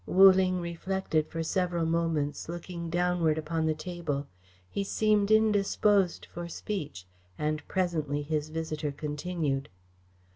Wu Ling reflected for several moments, looking downward upon the table. He seemed indisposed for speech, and presently his visitor continued.